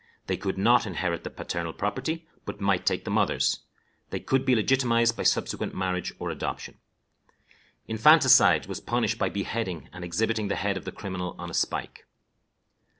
They could not inherit the paternal property, but might take the mother's. They could be legitimatized by subsequent marriage or adoption. Infanticide was punished by beheading, and exhibiting the head of the criminal on a spike.